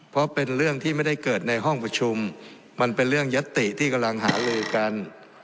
เพราะเป็นเรื่องที่ไม่ได้เกิดในห้องประชุมมันเป็นเรื่องยัตติที่กำลังหาลือกัน